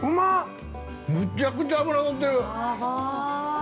むちゃくちゃ脂乗ってる。